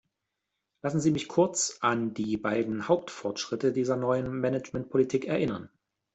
Lassen Sie mich kurz an die beiden Hauptfortschritte dieser neuen Managementpolitik erinnern.